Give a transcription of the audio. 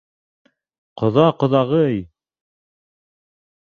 Ҡоҙа, ҡоҙағый!